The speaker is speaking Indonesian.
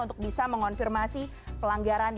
untuk bisa mengonfirmasi pelanggaran